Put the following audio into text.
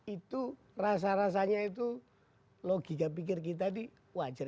itu rasa rasanya itu logika pikir kita ini wajar